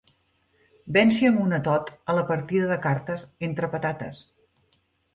Venci amb un atot a la partida de cartes, entre patates.